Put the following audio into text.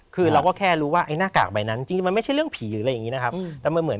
ก็บอกจากเจ้าหน้าที่นี่แหละ